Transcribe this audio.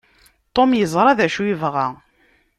Tom yeẓra d acu yebɣa.